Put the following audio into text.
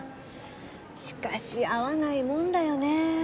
しかし会わないもんだよねえ。